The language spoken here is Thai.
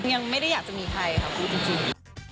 ยังไม่ได้อยากจะมีใครค่ะพูดจริง